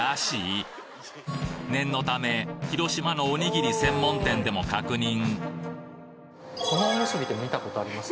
念のため広島のおにぎり専門店でも確認